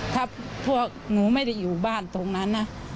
ถ้าพวกหนูไม่ได้อยู่บ้านตรงนั้นนะ